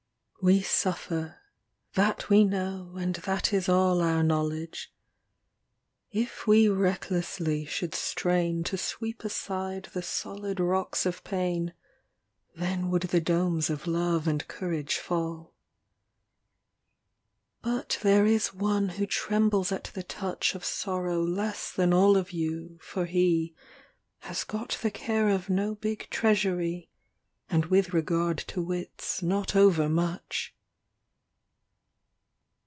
LXXI We suffer ŌĆö that we know, and that is all Our knowledge. If we recklessly should strain To sweep aside the solid rocks of pain, Then would the domes of love and courage fall. LXXII But there is one who trembles at the touch Of sorrow less than all of you, for he Has got the care of no big treasury, And with regard to wits not overmuch.